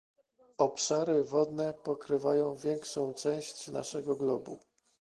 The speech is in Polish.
Obszary wodne pokrywają większą część naszego globu